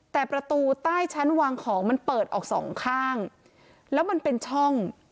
แต่ประตูใต้ชั้นวางของมันเปิดออกสองข้างแล้วมันเป็นช่อง